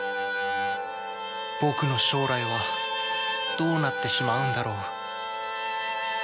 僕の将来はどうなってしまうんだろう？